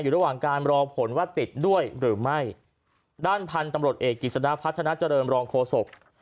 ระหว่างการรอผลว่าติดด้วยหรือไม่ด้านพันธุ์ตำรวจเอกกิจสนะพัฒนาเจริญรองโฆษก